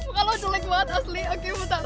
kalau jelek banget asli oke bentar